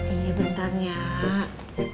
iya bentar nyak